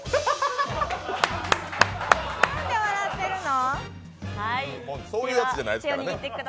なんで笑ってるの？